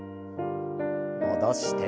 戻して。